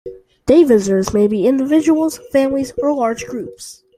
Day visitors may be individuals, families, or large groups.